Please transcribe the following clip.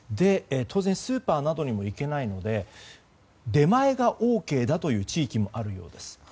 当然、スーパーなどにも行けないので出前がＯＫだという地域もあるようです。